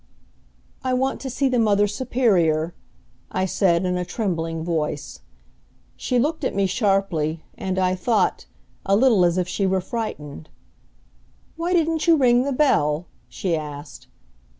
"I want to see the Mother Superior," I said in a trembling voice. She looked at me sharply, and, I thought, a little as if she were frightened. "Why didn't you ring the bell?" she asked.